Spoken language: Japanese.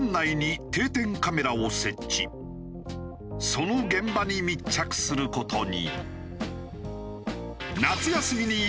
その現場に密着する事に。